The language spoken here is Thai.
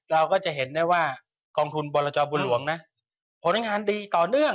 เราก็จะเห็นได้ว่ากองทุนบรจบุญหลวงนะผลงานดีต่อเนื่อง